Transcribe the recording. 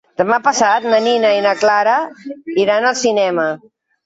Demà passat na Nina i na Clara iran al cinema.